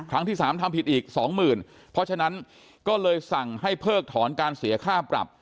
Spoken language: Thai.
ที่สามทำผิดอีกสองหมื่นเพราะฉะนั้นก็เลยสั่งให้เพิกถอนการเสียค่าปรับ